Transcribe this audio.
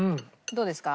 どうですか？